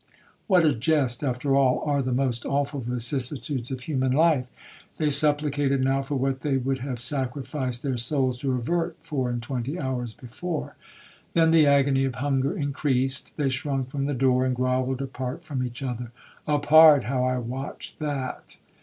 What a jest, after all, are the most awful vicissitudes of human life!—they supplicated now for what they would have sacrificed their souls to avert four and twenty hours before. Then the agony of hunger increased, they shrunk from the door, and grovelled apart from each other. Apart!—how I watched that.